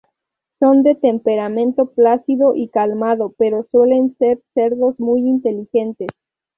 Son de temperamento plácido y calmado pero suelen ser cerdos muy inteligentes.